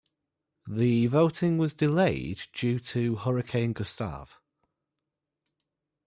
The voting was delayed due to Hurricane Gustave.